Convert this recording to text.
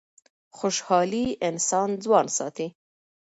خوشحالي انسان ځوان ساتي.